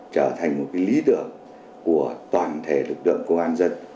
trở thành một lý tưởng của toàn thể lực lượng công an dân